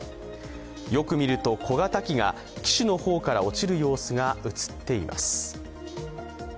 よく見ると、小型機が機首の方から落ちる様子が映っています。